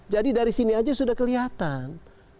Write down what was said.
jadi dari sini aja sudah kelihatan